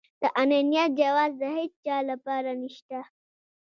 د انانيت جواز د هيچا لپاره نشته.